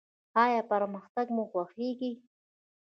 ایا پرمختګ مو خوښیږي؟